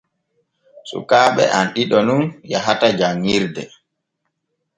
Sukaaɓe am ɗiɗo nun yahata janŋirde.